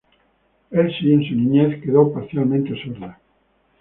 Elsie, en su niñez quedó parcialmente sorda.